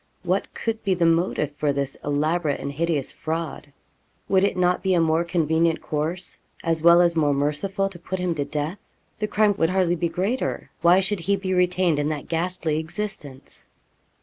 What could be the motive for this elaborate and hideous fraud? Would it not be a more convenient course, as well as more merciful to put him to death? The crime would hardly be greater. Why should he be retained in that ghastly existence?